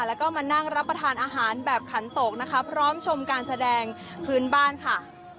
แล้วก็มานั่งรับประทานอาหารแบบขันตกนะคะพร้อมชมการแสดงพื้นบ้านค่ะ